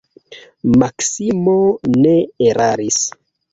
Maksimo ne eraris.